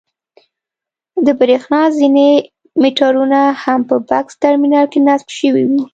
د برېښنا ځینې مېټرونه هم په بکس ټرمینل کې نصب شوي وي.